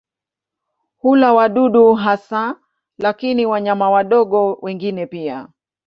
Hula wadudu hasa lakini wanyama wadogo wengine pia.